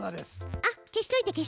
あっ消しといて消しといて！